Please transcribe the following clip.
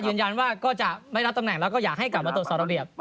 ยืนยันว่าก็จะไม่รับตำแหน่งแล้วก็อยากให้กลับมาตรวจสอบระเบียบ